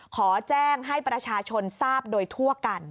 ขอแจ้งให้ประชาชนทราบโดยทั่วกัน